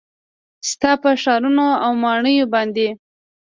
ستا په ښارونو او ماڼیو باندې